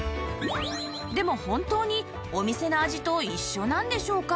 でも本当にお店の味と一緒なんでしょうか？